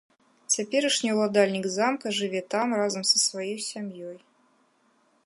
Цяперашні ўладальнік замка жыве там разам са сваёй сям'ёй.